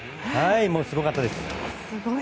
すごかったです。